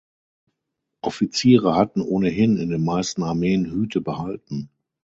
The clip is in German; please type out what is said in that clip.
Offiziere hatten ohnehin in den meisten Armeen Hüte behalten.